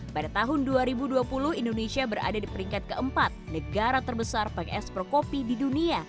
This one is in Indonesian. pada tahun dua ribu dua puluh indonesia berada di peringkat keempat negara terbesar pks prokopi di dunia